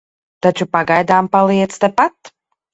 Taču pagaidām paliec tepat.